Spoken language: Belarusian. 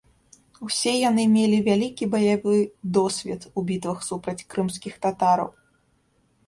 Усе яны мелі вялікі баявы досвед у бітвах супраць крымскіх татараў.